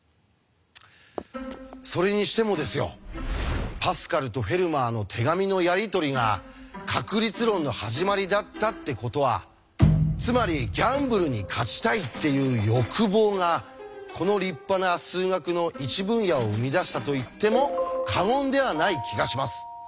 それにしてもですよパスカルとフェルマーの手紙のやり取りが確率論の始まりだったってことはつまりギャンブルに勝ちたいっていう欲望がこの立派な数学の一分野を生み出したと言っても過言ではない気がします。